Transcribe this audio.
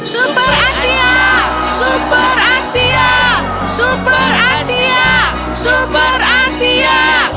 super asia super asia super asia super asia